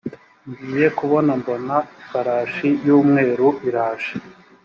ngiye kubona mbona ifarashi y ‘umweru iraje.